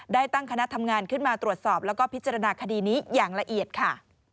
ได้ตั้งคณะทำงานขึ้นมาตรวจสอบแล้วก็พิจารณาคดีนี้อย่างละเอียดค่ะ